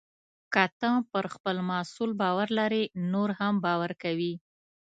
که ته پر خپل محصول باور لرې، نور هم باور کوي.